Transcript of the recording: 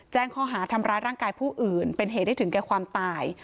แจ้งข้อหาทำร้ายร่างกายผู้อื่นเป็นเหตุให้ถึงแก่ความตาย